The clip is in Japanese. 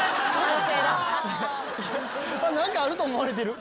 何かあると思われてる。